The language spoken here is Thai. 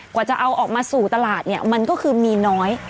กว่าจะเอาออกมาสู่ตลาดเนี่ยมันก็คือมีน้อย